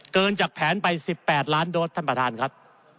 เกินจากแผนไป๑๘ล้านโดสท่านประธานครับ